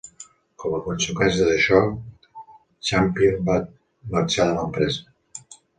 Com a conseqüència d'això, Champion va marxar de l'empresa.